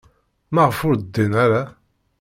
Maɣef ur ddin ara?